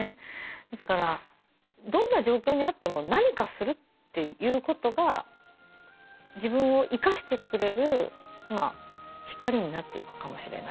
ですからどんな状況にあっても何かするっていうことが自分を生かしてくれる光になっていくかもしれない。